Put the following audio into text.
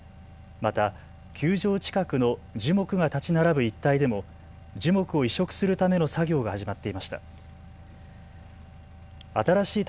また球場近くの樹木が立ち並ぶ一帯でも樹木を移植するための作業が始まっていました。